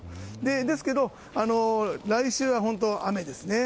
ですけど、来週は雨ですね。